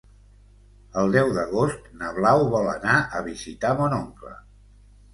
El deu d'agost na Blau vol anar a visitar mon oncle.